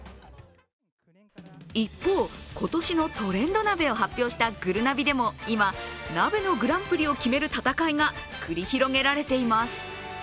一方、今年のトレンド鍋を発表したぐるなびでも今、鍋のグランプリを決める戦いが繰り広げられています。